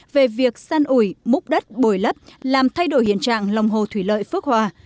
về việc san ủi múc đất bồi lấp làm thay đổi hiện trạng lòng hồ thủy lợi phước hòa